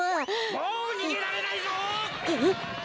・もうにげられないぞ！はっ！